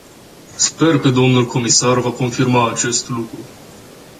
Sper că domnul comisar va confirma acest lucru.